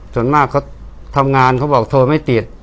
ส่วนมากเขาทำงานเขาบอกโทรไม่ติด